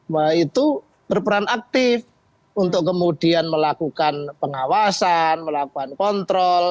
yaitu berperan aktif untuk kemudian melakukan pengawasan melakukan kontrol